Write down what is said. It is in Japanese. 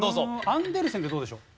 アンデルセンでどうでしょう？